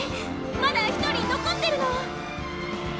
まだ１人残ってるの！